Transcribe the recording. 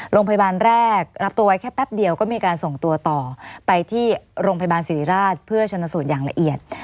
โรงพยาบาลแรกรับตัวไว้แค่แป๊บเดียวก็มีการส่งตัวต่อไปที่โรงพยาบาลศิริราชเพื่อชนสูตรอย่างละเอียด